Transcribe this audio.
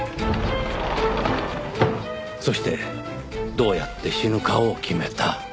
そしてどうやって死ぬかを決めた。